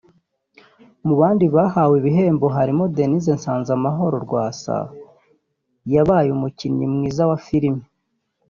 Mu bandi bahawe ibihembo harimo Denis Nsanzamahoro [Rwasa] yabaye umukinnyi mwiza wa filime